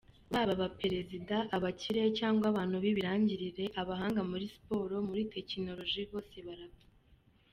Baba abaprezida, abakire cyangwa abantu b’ibirangirire, abahanga muri siporo, muri tekinoloji – bose barapfa.